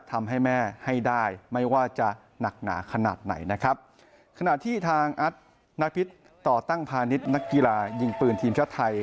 พาณิชย์นักกีฬายิ่งปืนทีมชาติไทย